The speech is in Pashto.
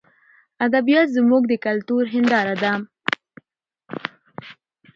ادبیات زموږ د کلتور هنداره ده.